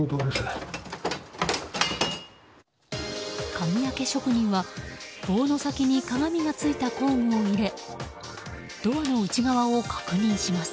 鍵開け職人は棒の先に鏡がついた工具を入れドアの内側を確認します。